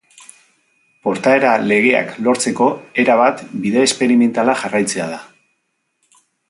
Portaera-legeak lortzeko era bat bide esperimentala jarraitzea da.